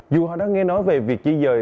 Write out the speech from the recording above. dù họ đã nghe nói về việc di dời